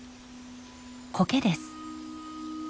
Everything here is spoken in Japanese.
コケです。